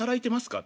って。